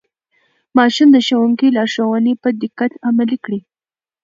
ماشوم د ښوونکي لارښوونې په دقت عملي کړې